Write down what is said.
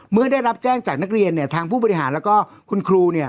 เมื่อได้รับแจ้งจากนักเรียนทางผู้บริหารแล้วก็คุณครู